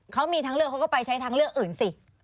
เขามีทางเลือกเขาก็ไปใช้ทางเลือกอื่นสิ